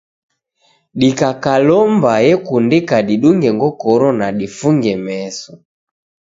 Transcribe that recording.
Dikakalomba ekundika didunge ngokoro na difunge meso.